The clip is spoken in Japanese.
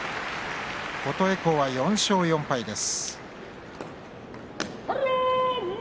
琴恵光は４勝４敗です。